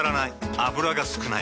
油が少ない。